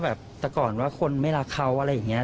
แบบแต่ก่อนว่าคนไม่รักเขาอะไรอย่างนี้